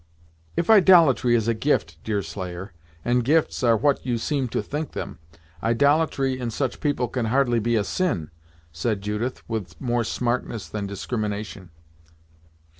"If idolatry is a gift, Deerslayer, and gifts are what you seem to think them, idolatry in such people can hardly be a sin," said Judith with more smartness than discrimination.